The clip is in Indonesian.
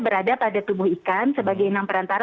berada pada tubuh ikan sebagai inang perantara